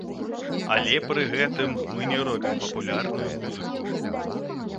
Але пры гэтым мы не робім папулярную музыку.